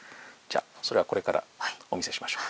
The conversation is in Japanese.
じゃあそれはこれからお見せしましょう。